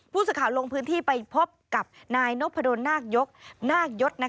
ผู้สักข่าวลงพื้นที่ไปพบกับนายนพะโดนนาคยด